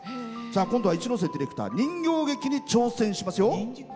今度は市瀬ディレクター人形劇に挑戦しますよ。